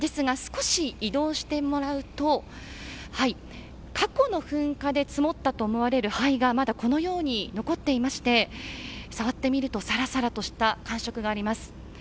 ですが、少し移動してもらうと過去の噴火で積もったと思われる灰がまだ、このように残っていまして触ってみるとさらさらとした感触があります。